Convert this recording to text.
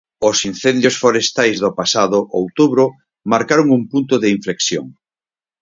Os incendios forestais do pasado outubro marcaron un punto de inflexión.